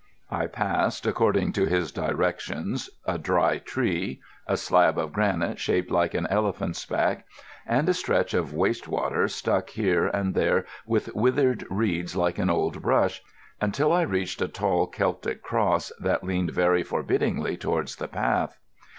I passed, according to his directions, a dry tree, a slab of granite shaped like an elephant's back, and a stretch of waste water stuck here and there with withered reeds like an old brush, until I reached a tall Celtic cross that leaned very forbiddingly towards the path.